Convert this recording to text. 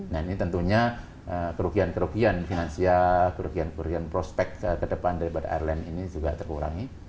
nah ini tentunya kerugian kerugian finansial kerugian kerugian prospek ke depan daripada airline ini juga terkurangi